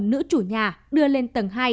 nữ chủ nhà đưa lên tầng hai